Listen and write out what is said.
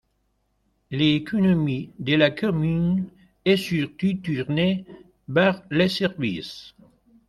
L'économie de la commune est surtout tournée vers les services.